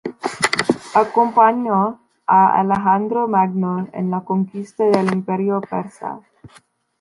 Acompañó a Alejandro Magno en la conquista del Imperio persa.